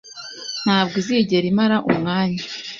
Ntabwo izigera imara umwanya.